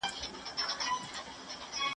ټلویزیوني چینلونو کې باید راپورونه خپاره شي.